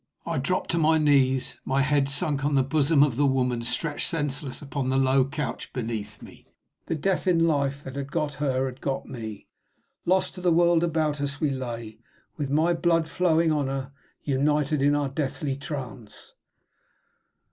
I dropped to my knees; my head sunk on the bosom of the woman stretched senseless upon the low couch beneath me. The death in life that had got her had got me. Lost to the world about us, we lay, with my blood flowing on her, united in our deathly trance.